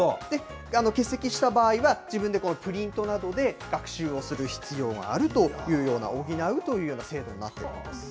欠席した場合は、自分でプリントなどで学習をする必要があるというような、補うというような制度になっているんです。